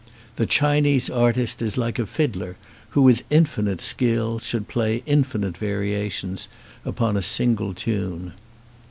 The Chinese artist is like a fiddler who with infinite skill should play infin ite variations upon a single tune.